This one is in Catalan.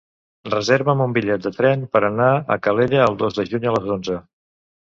Reserva'm un bitllet de tren per anar a Calella el dos de juny a les onze.